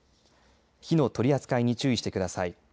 火の取り扱いに注意してください。